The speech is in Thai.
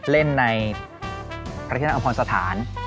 เล่นในประธิษฐานอำภาสถาน